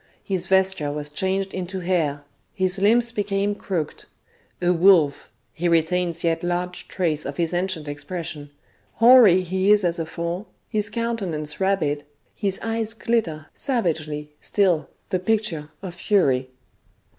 His vesture was changed into hair, his limbs became crooked ; A wolf, — he retains yet large trace of his ancient expression, Hoary he is as afore, his countenance rabid, His eyes glitter savagely still, the picture of fury.